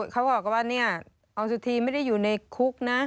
เขาบอกว่าเนี่ยอองสุธีไม่ได้อยู่ในคุกนะ